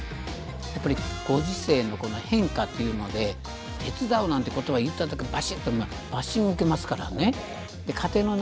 やっぱりご時世のこの変化というので「手伝う」なんて言葉を言っただけでバシッとバッシングを受けますからね。